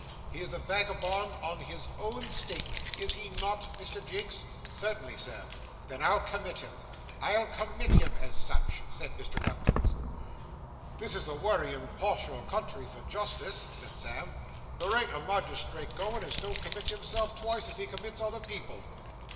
'He is a vagabond on his own statement, is he not, Mr. Jinks?' 'Certainly, Sir.' 'Then I'll commit him I'll commit him as such,' said Mr. Nupkins. 'This is a wery impartial country for justice, 'said Sam.' There ain't a magistrate goin' as don't commit himself twice as he commits other people.